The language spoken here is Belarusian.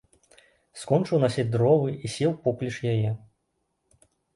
Скончыў насіць дровы і сеў поплеч яе.